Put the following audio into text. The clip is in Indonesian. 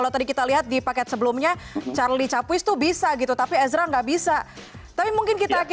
oke kita masih tersambung